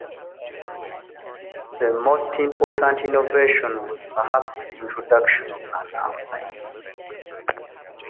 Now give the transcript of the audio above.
The most important innovation was perhaps the introduction of an umpire.